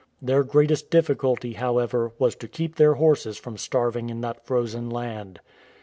Their greatest difficulty, how ever, was to keep their horses from starving in that frozen land.